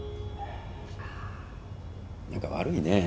何か悪いね。